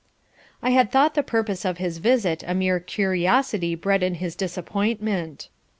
I had thought the purpose of his visit a mere curiosity bred in his disappointment.